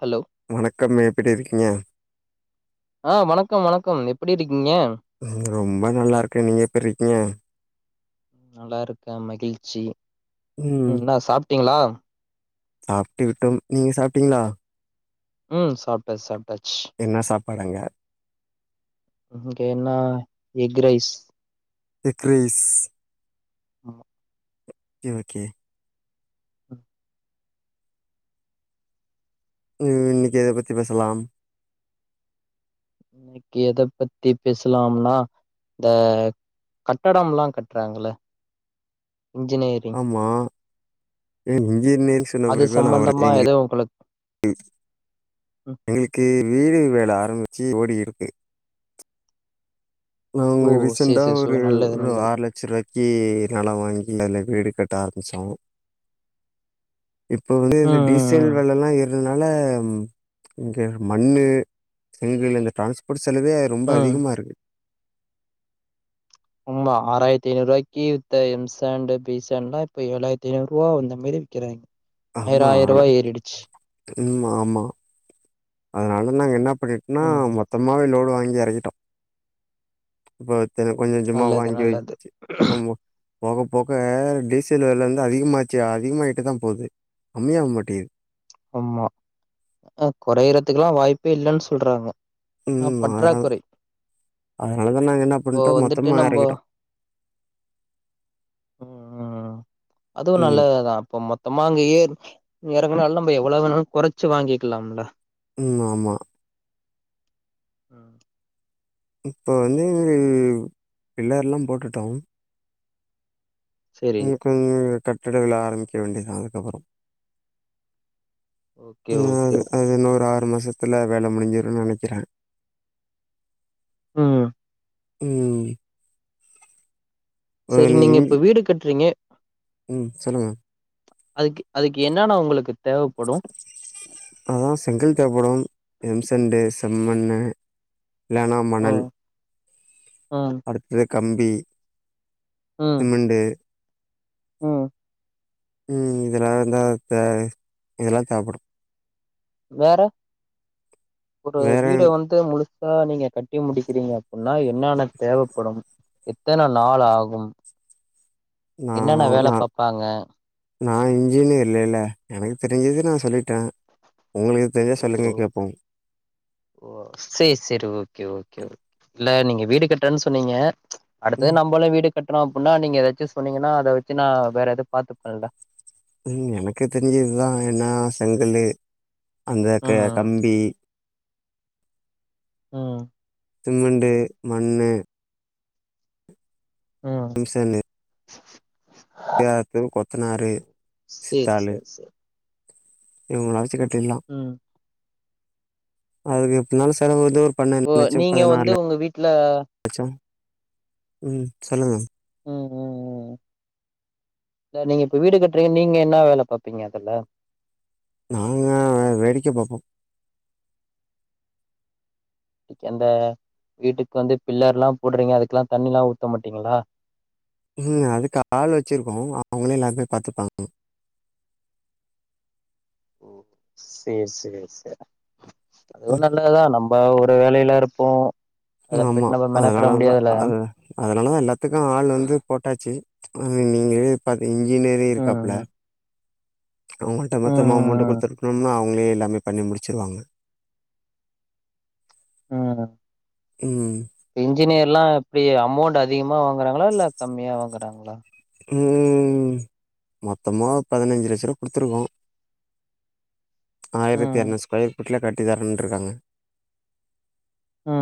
Hello வணக்கம் எப்படி இருக்கீங்க. ஆ வணக்கம் வணக்கம் எப்படி இருக்கீங்க ரொம்ப நல்லா இருக்கே நீங்க எப்ப இருக்கீங்க. நல்லா இருக்கே. மகிழ்ச்சி ம் என்ன சாப்பிட்டீங்களா சாப்பிட்டு விட்டோம், நீங்க சாப்பிட்டீங்களா. ம் சாப்டேன் சாப்பிடாச்சு என்ன சாப்பாடு அங்க ம் இங்க என்னா எக் ரைஸ் எக் ரைஸ் ஆமா ஓகே ஓகே ம் இன்னிக்கு எத பத்தி பேசலாம். இன்னிக்கு எத பத்தி பேசலாம்னா. இந்த கட்டடம்ல்லாம் கட்டுறாங்கள இன்ஜினியர் ஆமா ஏ இன்ஜினியர் சொன்ன அது பிறகுதா நாவருது சம்பந்தமா எங்க எதோ உங்களுக்கு ம் ம் எங்களுக்கு வீடு வேல ஆரம்பிச்சு ஓடி இருக்கு. நாங்க ஓ சேரி ரீசண்ட்டா சேரி சோ ஒரு நல்லது நல்லது ஆறு லட்சருவாய் க்கி நெலோ வாங்கி அதுல்ல வீடு கட்ட ஆரம்பிச்சோ. இப்ப வந்து ம் இதுல டீசல் ம் வெலல்லா ஏர் னதுனால இங்க மண்ணு, செங்கல் இந்த டிரான்ஸ்போர்ட் செலவே ரொம்ப ம் ம் அதிகமா இருக்கு. உம்மதா ஆராய்ரத்தி ஐநூறுவாய்க்கி வித்த எம் சாண்ட், பி சாண்ட் லாம், இப்ப ஏழாயிரத்தி ஐநூறுவா இந்த மாரி விக்கிறாங்க. [inaudible] ஆமா ஆயிர ரூவா ஆனா ஏறிடுச்சு ம் ஆமா அதனால நாங்க என்ன பண்ணிட்டோன்னா, ம் மொத்தமாவே லோடு வாங்கி எறக்கிட்டோ. அப்பத்த கொஞ்ச கொஞ்சமா நல்லது, வாங்கி நல்லது. வச்சு ரொம்ப போக போக டீசல் வெல வந்து அதிகமாச்சு அதிகமாகிட்டு தா போகுது கம்மியாக மாட்டேங்து ஆமா அ கொறையறத்துக்கெல்லா வாய்ப்பே இல்லன்னு சொல்றாங்க ஆ ம் அதனால பற்றாக்குறை அதனால தான் நாங்கள் என்ன இப்போ பண்ணிட்டோம் வந்துட்டு மொத்தமாக நம்போ இறக்கிட்டோம் அதுவு ம் நல்லது தா இப்ப மொத் தமா அங்கேயே எறங்கனாலு நம்ம எவ்வளோ வேணாலு கொறச்சு வாங்கிக்கலாம்ல ம் ஆமா ம். இப்ப வந்து பிள்ளர்லா போட்டுட்டோ சரி. ம் கொஞ்ச கட்டிட வேல ஆரம்பிக்க வேண்டியதா அதுக்கப்பறோ ஓகே, நா ஓகே. அது இன்னு ஒரு ஆறு மாசத்துல வேல முடிஞ்சிருன்னு நனைக்கிறே ம் ம் அ செரி நீ நீங்க இஞ்சி இப்ப வீடு கட்றீங்க ம் சொல்லுங்க அதுக்கு அதுக்கு என்னன்ன உங்களுக்கு தேவைப்படு ஆ செங்கல் தேவப்படும் எம்சண்டு செம்மண்ணு இல்லனா மணல் ஆ அடுத்தது கம்பி ம், சிமெண்டு ம் ம் இதெல்லா இருந்தா தேவை இதெல்லா தேவப்படும் வேற ஒரு வேற வீட வந் ந்தே முழுசா நீங்க கட்டி முடிக்கிறீங்க அப்பிட்னா என்னான்ன தேவைப்படும் எத்தன நாள் ஆகும் என்னென்ன வேல நானா பாப்பாங்க நா இன்ஜினியர் இல்லைல எனக்கு தெரிஞ்சது நா சொல்லிட்டே உங்களுக் ஓ ஓ சேரி சேரி ஓகே ஓகே இல்ல நீங்க வீடு கட்றன் சொன்னீங்க ம் அடுத்தது நம்பளு வீடு கட்ற அப்பிட்னா நீங்க எதாச்சு சொன்னீங்கனா அத வச்சு நா வேற எது பாத்துப்பல்ல ம் எனக்கு தெரிஞ்சது இதா என்னா செங்கலு அந்த ம் க ம் கம்பி ம் சிமிண்டு மண்ணு ம் எம் சாண்டு எதாச்சு கொத்தனாரு சேரி சித்தாளு சேரி சேரி இவ்ங்கள வச்சு கட்டிட்லா ம் அதுக்கு எப்டினாலு செலவு வந்து ஒரு ஓ நீங்க வந்து உங்க வீட்ல வச்சா ம் சொல்லுங்க ம் ம் ம் இல்ல நீங்க இப்ப வீடு கட்டுறீங்க நீங்க என்ன வேல பாப்பீங்க அதுல நாங்க வேடிக்க பாப்போ இன்னக்கி அந்த வீட்டுக்கு வந்து பில்லர்லா போடுறீங்க அதுக்குலா தண்ணிலா ஊத்த மாட்டீங்ளா ம் அதுக்கு ஆள் வச்சிருக்கோ அவ்ங்களே எல்லாமே பாத்துப்பாங்க ஓ சேரி சேரி சேர் அதுவு ம் நல்லதுதா நம் ம்ப ஒரு வேலைல இருப்போ அத போய்ட்டு நம்ம மெனக்கெட முடியாதுல அதனாலதா எல்லாத்துக்கு ஆள் வந்து போட்டாச்சு அ நீங்களே அது இன்ஜினியரே ம், இருக்காப்புல அவ்ங்கள்ட ம். மொத்தமா அமௌண்ட்ட ம், குடுத்துட்டோம்னா அவ்ங் களே எல்லாமே பண்ணி முடிச்சிருவாங்க ம் ம் ம் இன்ஜினியர்லா எப்டி அமௌண்ட் அதிகமா வாங்குறாங்களா இல்ல கம்மியா வாங்குறாங்களா ம் மொத்தமா பதினஞ்சு லட்ச ரூவா குடுத்துருக்கோ ஆயிரத்தி ம், எரநூறு ஸ்கொயர் ஃபீட்ல கட்டி தரன்ட்ருக்காங்க ம்,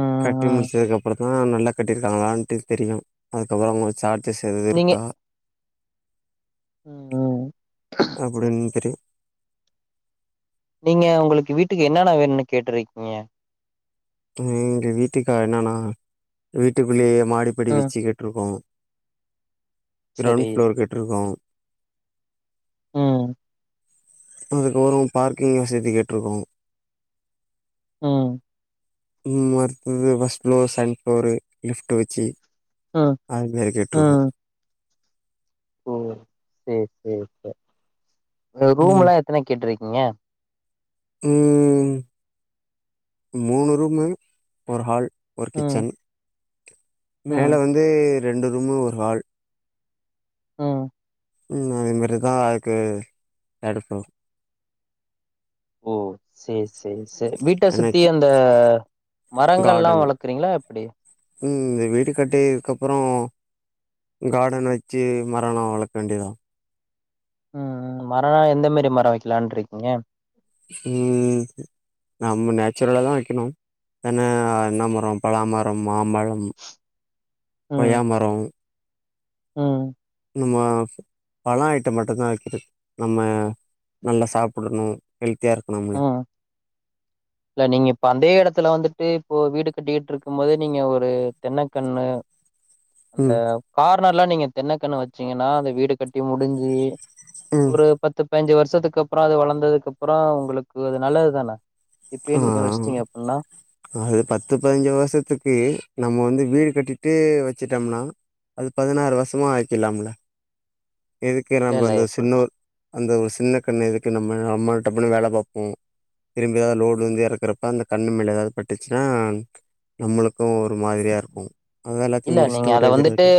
ம், கட்டி ம். முடிச்சதுக்கப்பற ந்தா நல்லா கட்டிருக்காங்களான்ட்டு தெரியு அதுக்கப்பற கொஞ்ச சார்ஜஸ் எதுவு நீங்க இருக்கா ம், ம். அப்டினு தெரியு நீங்க உங்களுக்கு வீட்டுக்கு என்னன்ன வேணுன்னு கேட்ருக்கீங்க எ எங்க வீட்டுக்கா என்னன்னா வீட்டுக்குள்ளேயே மாடிப்படி ம். வச்சுக்கிட் டுருக்கோ சரி. கிரௌண்ட் ஃப்ளோர் கட்ருக்கோ ம் அதுக்கோரோ பார்க்கிங் வசதி கேட்ருக்கோ ம்ம ம் அடுத்தது first floor second floor lift வச்சு அது மாரி கேட்ருக்கோ ம். ஓ சேரி சேரி சேரி இந்த ம் ரூம்ல்லா எத்தன கேட்ருக்கீங்க ம் மூணு ரூமு ஒரு ஹால் ஒரு ம், கிச்சன் மேல ம், வந்து ரெண்டு ரூமு ஒரு ஹால் ஆ ம் அதே மாரி தா அது [unintelligible] சேரி சேரி சேரி வீட்ட சுத்தி எனக்கி அந்த மரங்கள்லா கார்டன் வளர்க்குறீங்களா எப்டி ம் எங்க வீடு கட்டி இதுக்கப்புறோ கார்டன் வச்சு மரோலா வளக்க வேண்டியதா ம் ம் மரோனா எந்த மாரி மரோ வைக்கலான்ருக்கீங்க ம் நம்ம நேச்சுரலா தா வைக்கணு ஏன்னா என்ன மரம் பலாமரம் மாம்பழம் ம், கொய்யா மரோ ம் நம்ம பழோ ஐட்டம் மட்டுதா வைக்கிறது நம்ம நல்லா சாப்பட்ணு ஹெல்த்தியா இருக்கணும்ல ம். கேட்கவில்லை இல்ல நீங்க இப்ப அதே இடத்துல வந்துட்டு இப்போ வீடு கட்டிக்கிட்டு இருக்கும் போது நீங்க ஒரு தென்னக்கண்ணு அந்த ம் கார்னர்ல்லா நீங்க தென்ன கன்னு வச்சீங்கன்னா அந்த வீடு கட்டி முடிஞ்சு ம் ஒரு பத்து பய்ஞ்சு வருசத்துக்கு அப்புறோ அது வளர்ந்ததுக்கு அப்புறோ உங்களுக்கு அது நல்லது தான ஆ இப்பயே நீங்க வச்சுட்டீங்க அப்டின்னா அது பத்து பதினஞ்சு வருசத்துக்கு நம்ம வந்து வீடு கட்டிட்டு வச்சுட்டம்னா அது பதினாறு வருஷமா ஆக்கிலாம்ல எதுக்கு இல்ல, நம்ம இல்ல அந்த இப்ப சின்னுர் அந்த ஒரு சின்ன கண்ண எதுக்கு நம்ம நம்ம டப்புனு வேல பாப்போ திரும்பி எதாவது லோடு வந்து எறக்கறப்ப அந்த கண் மேல ஏதாவது பட்டுச்சுனா நம்மளுக்கும் ஒரு மாதிரியா இருக்கு அதுதா எல்லாத்தையும் இல்ல நீங்க முடிச்சுட்டு அத ஒரேதடவயா வந்துட்டு வைக்க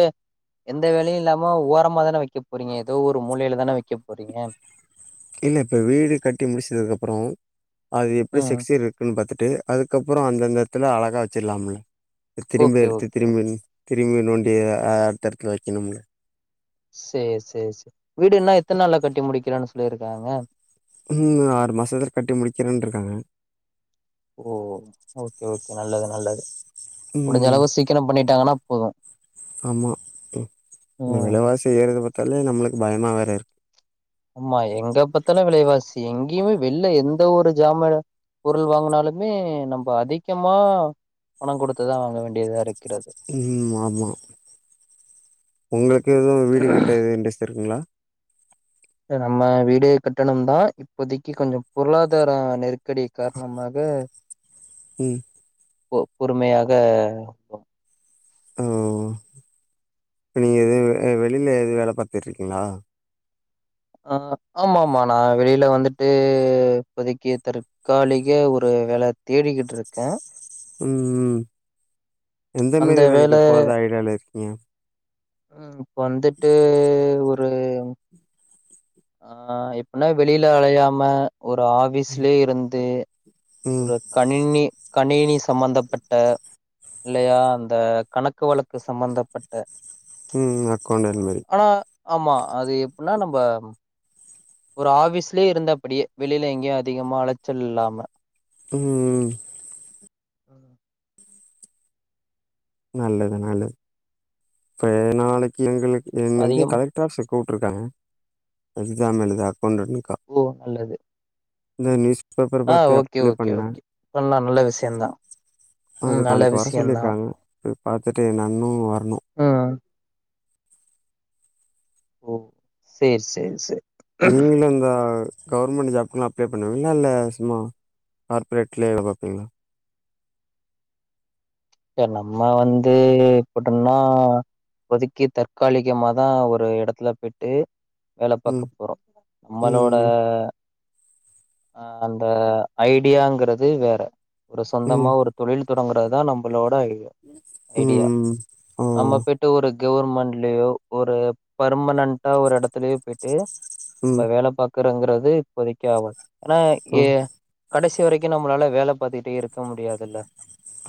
எந்த வேலையு இல்லாம ஓரமா தான வைக்க போறீங்க ஏதோ ஒரு மூலையில தான வைக்க போறீங்க இல்ல இப்ப வீடு கட்டி முடிச்சதுக்கப்புறோ அது எப்டி ம். செக்ஸியர் இருக்குன்னு பாத்துட்டு அதுக்கப்புறோ அந்தந்த எடத்துல அழகாக வச்சிடலாம்ல இப்ப திரும்பி ஓகே, எடுத்து ஓகே, திரும்ப ஓகே. திரும்பி நோண்டி அ அடுத்தெடத்துல வைக்கணும்ல சேரி சேரி சேரி வீடு இன்னு எத்தன் நாள்ல கட்டி முடிக்கிறனு சொல்லியிருக்காங்க இன்னு ஆறு மாசத்துல கட்டி முடிக்கிறன்ருக்காங்க ஓ ஓ ஓகே ஓகே நல்லது நல்லது முடிஞ்ச ம் அளவு சீக்கிரோ பண்ணிட்டாங்கன்னா போது ம் செய்யறத பாத்தாலே நம்மளுக்கு பயமா வேற இருக் ஆமா எங்கப்பாத்தல்லு விலைவாசி எங்கேயுமே வெள்ள எந்த ஒரு ஜாமானு பொருள் வாங்கனாலுமே நம்ம அதிகமா பணோ குடுத்துதா வாங்க வேண்டியதா இருக்கு ம் ஆமா உங்களுக்கு எது வீடு கட்ட எதுவு இண்ரெஸ்ட் இருக்குங்களா இத் நம்ம வீடு கட்டணும் தா இப்போதிக்கு கொஞ்சோ பொருளாதார நெருக்கடி கார்ணமாக ம் போ பொறுமையாக ஓ ப்ப நீங்க வேவ் வே வெளில எது வேல பாத்துட்ருக்கீங்ளா ஆ ஆமா ஆமா நா வெளில வந்துட்டு இப்போதிக்கு தற் காலிக ஒரு வேல தேடிகிட்ருக்கே ம்ம் எந்த அந்த மேரி வேல வேலைக்கு போறதா ஐடியால இருக்கீங்க ம் இப்ப வந்துட்டு ஒரு ஆ எப்பிட்ன்னா வெளில அலையாம ஒரு ஆஃபீஸ்லே இருந்து ம் ஒரு கணினி கணினி சம்பந்தப்பட்ட இல்லையா அந்த கணக்கு வழக்கு சம்பந்தப்பட்ட ம் அ அக்கௌண்டன்ட் மாரி ஆனா ஆமா அது எப்பிட்ன்னா நம்ப ஒரு ஆஃபீஸ்லே இருந்து அப்பிடியே வெளில எங்கயு அதிகமா அலச்சல் இல்லாம ம் ம் ம். நல்லது நல்லது இப்ப நாளைக்கு எங்களுக்கு இன்னைக்கி அதிகமா கலக் டர் ஆஃபீஸ்ல கூப்ட்ருக்காங்க எக்ஸாம் எழுத அக்கௌண்டன்னுக்கா ஓ நல்லது இந்த நியூஸ் பேப்பர் ஆ பாத்து ஓகே அப்ளை ஓகே பண்ணே ஓகே பண்ணலா நல்ல விசயந்தா அதுக் நாளைக் வர சொல்லீர்க்காங்க போய் பாத்துட்டு என்னானு வரணு ம் ஓக் சேரி சேரி செர் நீங்களு இந்தா கவுர்மெண்டு ஜாப்க்குனா அப்ளே பண்ணுவீங்ளா இல்ல சும்மா கார்ப்ரேட்லே வேல பாப்பீங்ளா ப்ப நம்ம வந்து எப்பிடின்னா இப்போதிக்கி தற்காலிகமாதா ஒரு எடத்துல போய்ட்டு வேல பாக்க ம் போறோ நம்மளோட ம் அ அந்த ஐடியாங்கறது வேற ஒரு சொந்தமா ம் ம் ஒரு தொழில் தொடங்கறத் தா நம் மளோட ஐட்யா ஐடியா ம் ம் ஓ நம்ம போய்ட்டு ஒரு கவுர்மண்ட்லியோ ஒரு பர்மனன்டா ஒரு எடத்துலயே போய்ட்டு ம் நம்ப வேல பாக்கறோங்றது இப்போதைக்கு ஆவாது ஏனா ஓ ஏ கடைசி வரைக்கு நம்மளால வேல பாத்துட்டே இருக்க முடியாதில்ல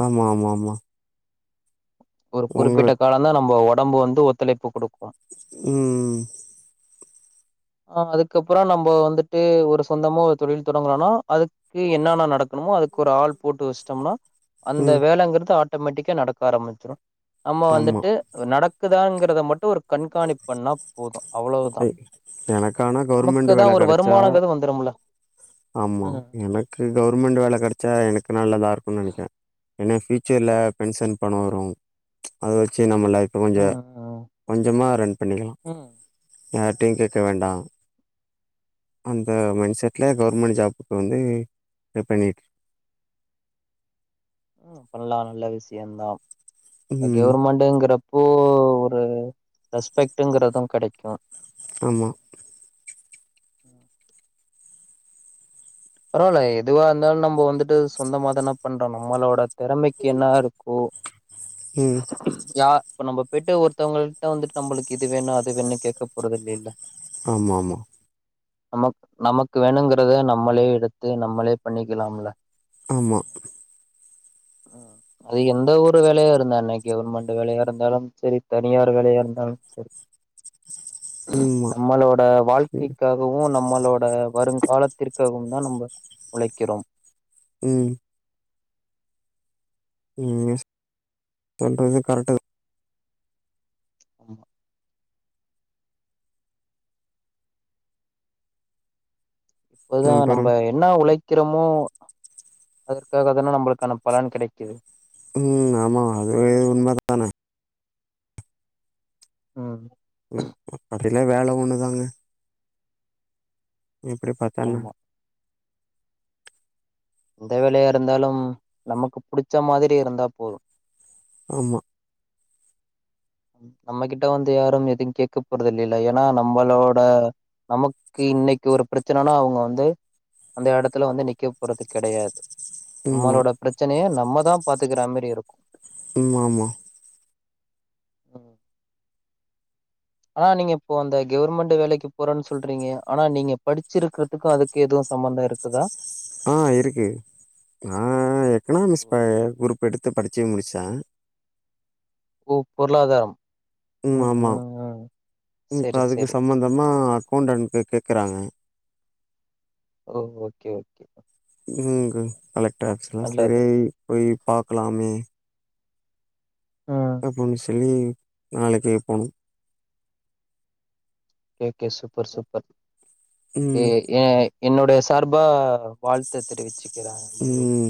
ஆமா ஆமா ஆமா ஒரு குறிப்பிட்ட உங்களுக்கு காலந்தா நம்ப ஒடம்பு வந்து ஒத்துழைப்பு குடுக்கும் ம் ம் ஆ அதுக்கப்பறோ நம்ப வந்துட்டு ஒரு சொந்தமா தொழில் தொடங்குறோன்னா அது க்கு என்னன்ன நடக்கணுமோ அதுக்கு ஒரு ஆள் போட்டு வஸ்ட்டம்ன்னா அந்த ம் வேலங்கிறது ஆட்டோமேட்டிக்கா நடக்க ஆரம்பிச்சிரு நம்ம ஆமா வந்துட்டு அ நடக்குதாங்கிறத மட்டு ஒரு கண்காணிப் பண்ணா போது அவ்வளவ்தா எ எனக்கானா கவர்மெண்ட் நமக்குதா வேல ஒரு கெடச்சா வருமானங்கிறது வந்துருமில்ல ஆமா எனக்கு கவுர்மெண்டு வேல கெடச்சா எனக்கு நல்லதா இருக்குன் நெனைக்கிறே ஏனா ஃப்யூச்சர்ல பென்ஷன் பணோ வரு அத வெச்சு நம்ம லைஃப கொஞ்ச ம் ம் கொஞ்சமா ரன் பண்ணிக்கலா ம் யார்டயு கேக்க வேண்டா அந்த ஓகே மைண்டசெட்டில கவர்மெண்ட் ஜாப்புக்கு வந்து ப்ரே பண்ணிட்டு ம் பண்ணலா நல்ல விஷ்யதா இப்ப ம் கவுர்மெண்ட் ங்கிறப்போ ஒரு ரெஸ்பெக்ட்ங்குறது கடைக்கு ஆமா பரவால எதுவா இருந்தாலு நம்ம வந்துட்டு சொந்தமாதானா பண்றோ நம்மளோட திறமைக்கி என்ன இருக்கோ ம் யா இப்ப நம்ம போய்ட்டு ஒருத்தவங்கள்ட்ட வந்துட்டு நம்மளுக்கு இது வேணு அது வேணு கேட்க போறதில்லில ஆமா ஆமா நம நமக்கு வேணுங்கறத நம்மளே எடுத்து நம்மளே பண்ணிக்கலாம்ல ஆமா ம் அது எந்த ஒரு வேலயா இரு ந்தன்ன கவர்மெண்ட் வேலயா இருந்தாலு செரி தனியார் வேலயா இருந்தாலு செரி ம்மா நம்மளோட ம் வாழ்க்கைகா கவு நம்மளோட வருங்காலதிற்காகவு தா நம்ம உழைக்கிறோ ம் நீங்க சொல்றது கரெட்டு தா ம் தா அப்பதா நம்ப அப்பறம் என்ன உழைக்கிறோமோ அதற்காக தான நம்மளுக்கான பலன் கெடைக்குது ம் ஆமா அதுவே உண்ம தான ம் ம் [unintelligible] வேல ஒண்ணுதாங்க எப்டி பத்தான்னா ஆமா எந்த வேலையா இருந்தாலு நமக்கு புடிச்ச மாதிரி இருந்தா போது ஆமா நம்மகிட்ட வந்து யாரு எதியு கேட்க போறது இல்லல்ல ஏன்னா நம்பளோட நமக்கு இன்னைக்கு ஒரு ப்ரச்சனைன்னா அவுங்க வந்து அந்த எடத்துல வந்து நிக்க போறது கெடையாது ம்மா நம்மளோட ப்ரச்சனய நம்மதா பாத்துக்கிற மாரி இருக்கு ஆமா ஆமா ம் ஆனா நீங்க இப்போ அந்த கவர்மெண்ட் வேலைக்கி போறோன்னு சொல்றீங்க ஆனா நீங்க படிச்சிருக்கிறதுக்கு அது எதுவு சம்மந்த இருக்குதா ஆ இருக்கு நா ஓ எக்கனாமிக்ஸ் குரூப் ப எடுத்து படிச்சு முடிச்சே ஓ பொருளாதாரம் ம் ஆமா இப்ப சரி அதுக்கு சரி சம்மந்தமா அக்கவுண்டன்ட்க்கு கேட்குறாங்க ஓ ஓகே ஓகே இங்க கலெக்டர் ஆஃபீஸ்ல நல்லது செரி போய் பாக்கலாமே ம் அப்டின்னு சொல்லி நாளைக்கி போனு ஓகே ஓகே சூப்பர் சூப்பர் எ ம் என் என்னுடைய சார்பா வாழ் த்த தெரிவிச்சுக்கிறே லியோ ம்